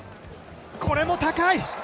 これも高い。